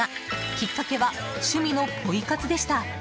きっかけは、趣味のポイ活でした。